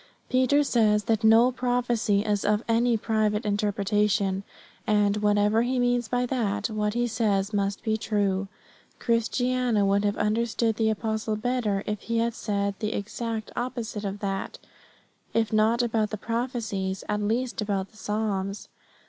Peter says that no prophecy is of any private interpretation; and, whatever he means by that, what he says must be true. But Christiana would have understood the apostle better if he had said the exact opposite of that, if not about the prophecies, at least about the psalms.